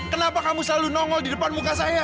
kenapa kamu selalu nongol di depan muka saya